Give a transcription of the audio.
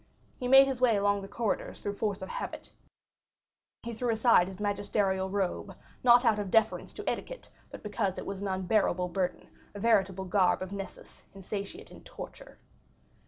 He made his way along the corridors through force of habit; he threw aside his magisterial robe, not out of deference to etiquette, but because it was an unbearable burden, a veritable garb of Nessus, insatiate in torture.